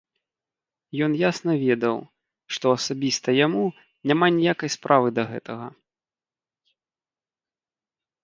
Ён ясна ведаў, што асабіста яму няма ніякай справы да гэтага.